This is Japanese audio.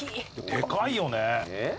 でかいよね。